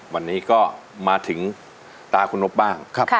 วันนี้ก็มาถึงตาคุณนบบ้าง